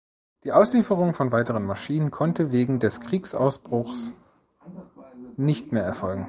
Die Auslieferung von weiteren Maschinen konnte wegen des Kriegsausbruchs nicht mehr erfolgen.